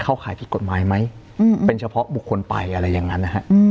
ขายผิดกฎหมายไหมเป็นเฉพาะบุคคลไปอะไรอย่างนั้นนะฮะ